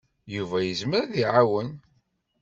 Yuba yezmer ad iɛawen.